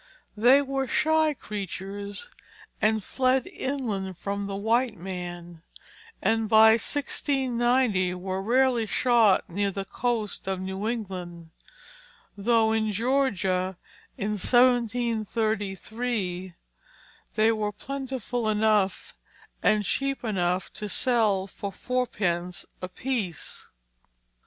They were shy creatures and fled inland from the white man, and by 1690 were rarely shot near the coast of New England, though in Georgia, in 1733, they were plentiful enough and cheap enough to sell for fourpence apiece.